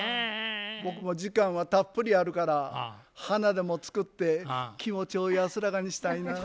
僕も時間はたっぷりあるから花でも作って気持ちを安らかにしたいなぁ。